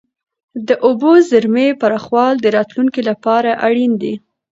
د اوبو زیرمې پراخول د راتلونکي لپاره اړین دي.